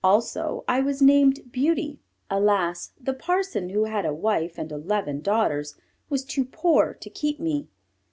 Also I was named Beauty. Alas! the parson, who had a wife and eleven daughters, was too poor to keep me.